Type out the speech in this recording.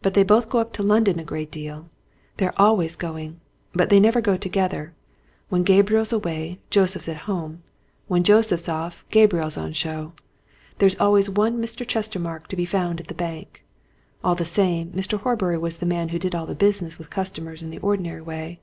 But they both go up to London a great deal they're always going. But they never go together when Gabriel's away, Joseph's at home; when Joseph's off, Gabriel's on show. There's always one Mr. Chestermarke to be found at the bank. All the same, Mr. Horbury was the man who did all the business with customers in the ordinary way.